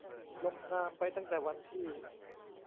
ลงนามไปตั้งแต่วันที่